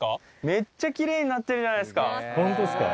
めっちゃきれいになってるじゃな本当ですか？